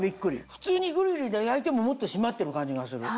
普通にグリルで焼いてももっと締まってる感じがする。